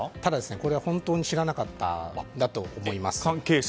これは本当に知らなかったんだと思います。